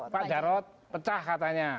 pak jarod pecah katanya